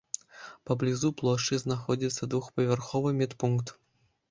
Паблізу плошчы знаходзіцца двухпавярховы медпункт.